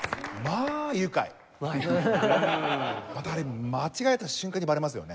またあれ間違えた瞬間にバレますよね。